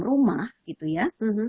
rumah gitu ya